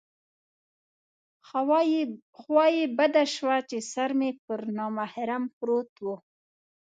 خوا یې بده شوه چې سر مې پر نامحرم پروت و.